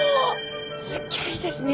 すギョいですね！